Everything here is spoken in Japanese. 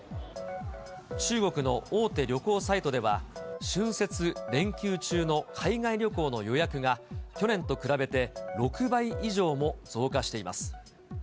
中国の大手旅行サイトでは、春節連休中の海外旅行の予約が、去年と比べて６倍以上も増加しています。